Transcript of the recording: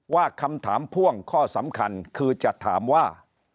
ว่าคำถามพ่วงข้อสำคัญคือจะถามว่า